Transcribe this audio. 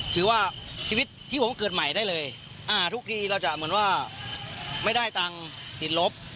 ถือว่าชีวิตที่ผมเกิดใหม่ได้เลยทุกทีเราจะเหมือนว่าไม่ได้ตังค์ติดลบ